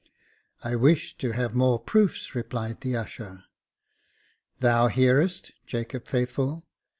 " I wished to have more proofs," replied the usher. " Thou hearest, Jacob Faithful."